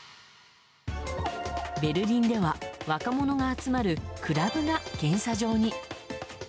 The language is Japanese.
ベルリンでは若者が集まるクラブが検査場に。